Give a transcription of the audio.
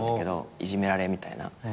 いじめられみたいな。